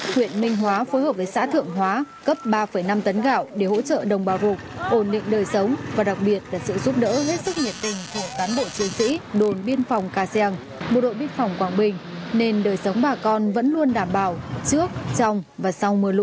huyện minh hóa phối hợp với xã thượng hóa cấp ba năm tấn gạo để hỗ trợ đồng bào rục ổn định đời sống và đặc biệt là sự giúp đỡ hết sức nhiệt tình của cán bộ chiến sĩ đồn biên phòng cà seng bộ đội biên phòng quảng bình nên đời sống bà con vẫn luôn đảm bảo trước trong và sau lũ